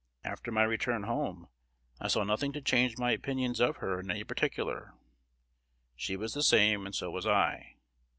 After my return home, I saw nothing to change my opinions of her in any particular. She was the same, and so was I.